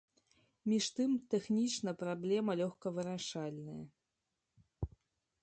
Між тым тэхнічна праблема лёгка вырашальная.